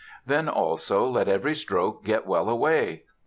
Then also let every stroke get well away.